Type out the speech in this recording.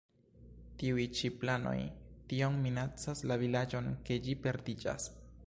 Tiuj ĉi planoj tiom minacas la vilaĝon, ke ĝi perdiĝas.